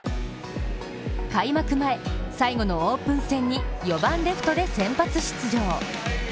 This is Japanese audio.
開幕前最後のオープン戦に４番レフトで先発出場。